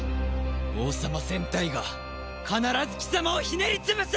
王様戦隊が必ず貴様をひねり潰す！